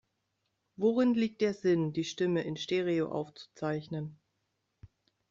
Worin liegt der Sinn, die Stimme in Stereo aufzuzeichnen?